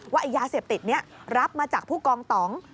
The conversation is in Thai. ยาเสพติดนี้รับมาจากผู้กองตอง